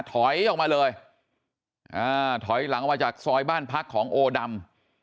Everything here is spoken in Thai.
ถอยออกมาเลยอ่าถอยหลังออกมาจากซอยบ้านพักของโอดำ